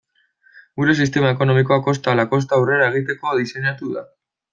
Gure sistema ekonomikoa kosta ala kosta aurrera egiteko diseinatu da.